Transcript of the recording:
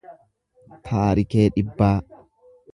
Taarikee Dhibbaa